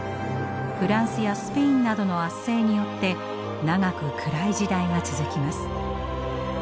フランスやスペインなどの圧政によって長く暗い時代が続きます。